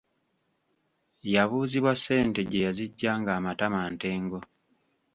Yabuuzibwa ssente gye yaziggya ng’amatama ntengo.